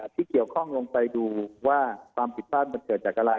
ที่เกี่ยวข้องลงไปดูว่าความผิดพลาดมันเกิดจากอะไร